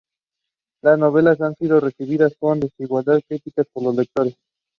The two agree to team up and split the reward.